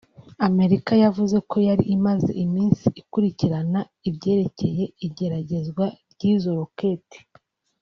Amerika yavuze ko yari imaze imisi ikurikirana ivyerekeye igeragezwa ry'izo roketi